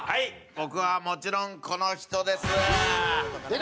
僕はもちろんこの人です。